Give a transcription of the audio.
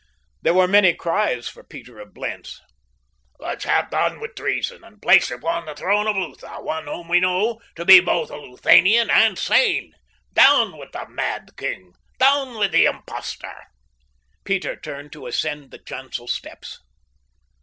There were many cries for Peter of Blentz. "Let's have done with treason, and place upon the throne of Lutha one whom we know to be both a Luthanian and sane. Down with the mad king! Down with the impostor!" Peter turned to ascend the chancel steps.